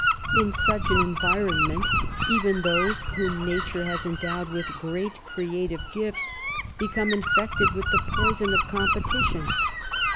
In such an environment even those whom nature has endowed with great creative gifts become infected with the poison of competition.